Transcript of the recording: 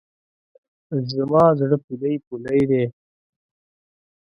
زما زړه پولۍ پولی دی، زما سا لمبه لمبه ده